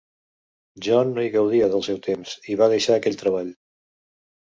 John no hi gaudia del seu temps i va deixar aquell treball.